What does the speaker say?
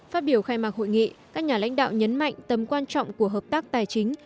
phát biểu khai mạc hội nghị các nhà lãnh đạo nhấn mạnh tầm quan trọng của hợp tác tài chính